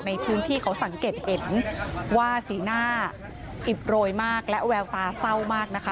ในพื้นที่เขาสังเกตเห็นว่าสีหน้าอิดโรยมากและแววตาเศร้ามากนะคะ